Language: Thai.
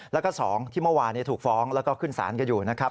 แล้วก็๒ที่เมื่อวานถูกฟ้องแล้วก็ขึ้นสารกันอยู่นะครับ